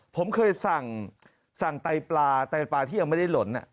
ผมเคยสั่งไตปลาไตปลาที่ยังไม่ได้หล่น